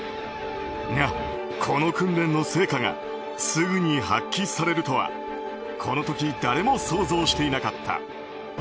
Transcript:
が、この訓練の成果がすぐに発揮されるとはこの時誰も想像していなかった。